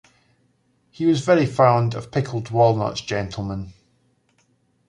He was very fond of pickled walnuts, gentlemen.